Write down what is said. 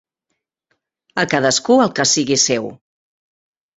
A cadascú el que sigui seu.